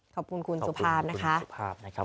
ขอบคุณคุณสุภาพนะคะ